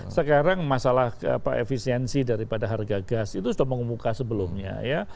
sekarang masalah efisiensi daripada harga gas itu sudah mau buka sebelumnya